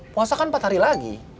puasa kan empat hari lagi